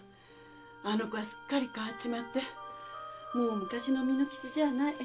あの子はすっかり変わっちまってもう昔の巳之吉じゃない。